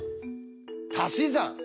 「たし算」。